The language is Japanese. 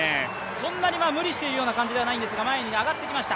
そんなに無理している感じではないんですが、上がってきました。